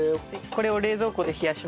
これを冷蔵庫で冷やします。